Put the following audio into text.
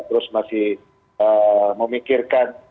terus masih memikirkan